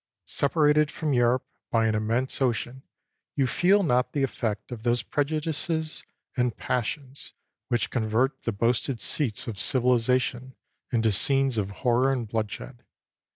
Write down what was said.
Separated from Europe by an immense ocean, you feel not the effect of those prejudices and passions which convert the boasted seats of civili zation into scenes of horror and bloodshed.